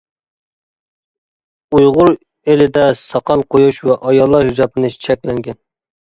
ئۇيغۇر ئېلىدە ساقال قويۇش ۋە ئاياللار ھىجابلىنىش چەكلەنگەن.